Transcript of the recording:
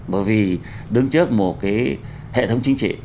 bởi vì đứng trước một cái hệ thống chính trị